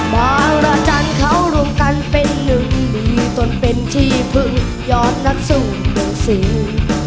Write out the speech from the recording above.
บางราชันทร์เขาร่วมกันเป็นหนึ่งมีต้นเป็นที่พึงยอดนักสู้เป็นศิลป์